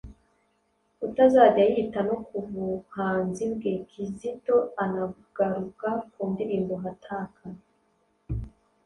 utazajya yita no ku buhanzi bwe. Kizito anagaruka ku ndirimbo "Hataka",